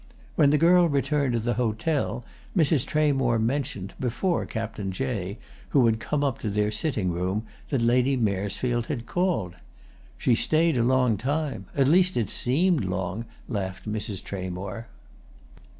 When the girl returned to the hotel, Mrs. Tramore mentioned, before Captain Jay, who had come up to their sitting room, that Lady Maresfield had called. "She stayed a long time—at least it seemed long!" laughed Mrs. Tramore.